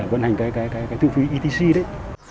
vận hành cái thu phí etc đấy